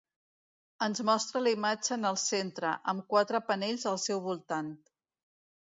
Ens mostra la imatge en el centre, amb quatre panells al seu voltant.